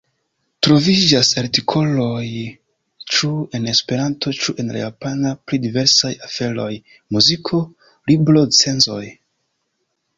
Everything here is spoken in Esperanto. Troviĝas artikoloj ĉu en Esperanto ĉu en la Japana pri diversaj aferoj: muziko, libro-recenzoj.